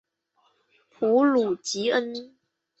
普卢吉恩。